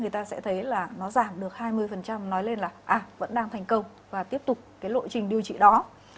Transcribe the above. tức là nó giảm được hai mươi nói lên là à vẫn đang thành công và tiếp tục cái lộ trình điều trị đó